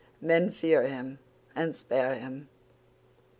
"Men fear him and spare him."